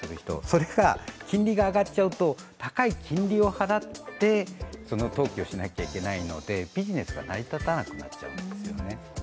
それが、金利が上がっちゃうと高い金利を払って、その投機をしなきゃいけないのでビジネスが成り立たなくなっちゃうんですよね。